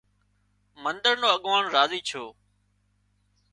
منۮر نو اڳواڻ راضي ڇو